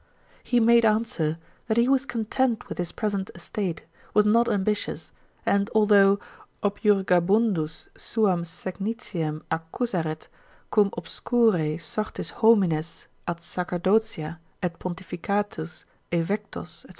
He made answer, that he was content with his present estate, was not ambitious, and although objurgabundus suam segnitiem accusaret, cum obscurae sortis homines ad sacerdotia et pontificatus evectos, &c.